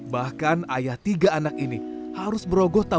bahkan ayah tiga anak ini harus berogos dengan kota ini